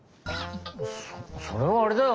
そそれはあれだよ。